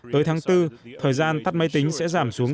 tới tháng bốn thời gian tắt máy tính sẽ giảm xuống